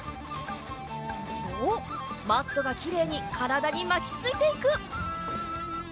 おっマットがきれいにからだにまきついていく。